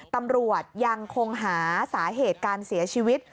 ตำรวจยังคงหาสาเหตุการเสียชีวิต